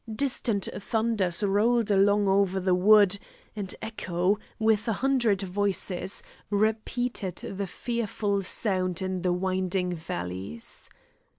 Distant thunders rolled along over the wood, and echo, with a hundred voices, repeated the fearful sound in the winding valleys.